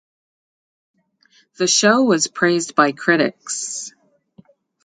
The show was praised by critics.